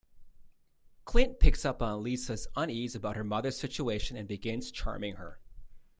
Clint picks up on Lisa's unease about her mother's situation and begins charming her.